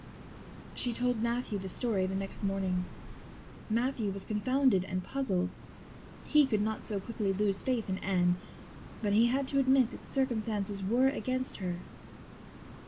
She told Matthew the story the next morning. Matthew was confounded and puzzled; he could not so quickly lose faith in Anne but he had to admit that circumstances were against her.